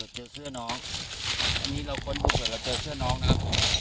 เจอเสื้อน้องอันนี้เราค้นหูเกิดแล้วเจอเสื้อน้องน่ะ